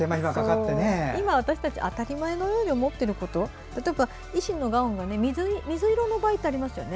今、私たち当たり前のように思っていること例えば、医師のガウン水色の場合ありますよね。